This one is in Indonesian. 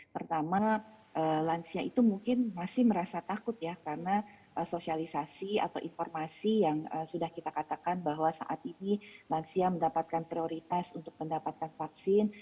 pertama lansia itu mungkin masih merasa takut ya karena sosialisasi atau informasi yang sudah kita katakan bahwa saat ini lansia mendapatkan prioritas untuk mendapatkan vaksin